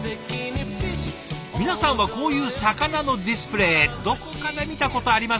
皆さんはこういう魚のディスプレーどこかで見たことありません？